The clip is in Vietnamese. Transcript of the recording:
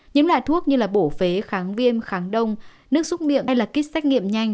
những loại thuốc như bổ phế kháng viêm kháng đông nước xúc miệng hay kết xác nghiệm nhanh